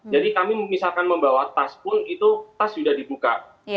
jadi kami misalkan membawa tas pun itu tas sudah dibuka